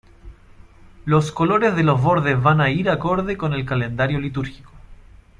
Los colores de los bordes van a ir acorde con el calendario litúrgico.